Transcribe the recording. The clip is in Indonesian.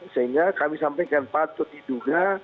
sehingga kami sampaikan patut diduga